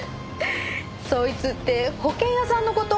そいつって保険屋さんの事？